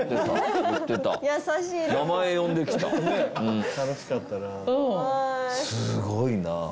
すごいな。